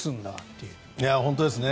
本当ですね。